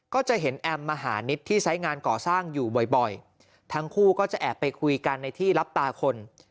ก็จะเห็นแอมมหานิดที่ไซส์งานก่อสร้างอยู่บ่อยทั้งคู่ก็จะแอบไปคุยกันในที่รับตาคน